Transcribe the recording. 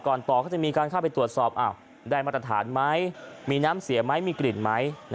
ต่อก็จะมีการเข้าไปตรวจสอบได้มาตรฐานไหมมีน้ำเสียไหมมีกลิ่นไหม